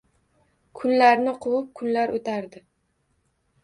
Kunlarni quvib kunlar o‘tardi.